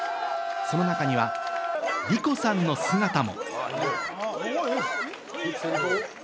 その中には梨子さんの姿も。